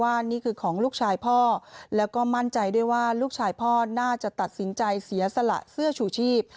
นี่คือของลูกชายพ่อแล้วก็มั่นใจด้วยว่าลูกชายพ่อน่าจะตัดสินใจเสียสละเสื้อชูชีพ